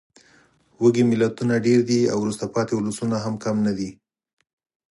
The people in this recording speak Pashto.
وږې ملتونه ډېر دي او وروسته پاتې ولسونه هم کم نه دي.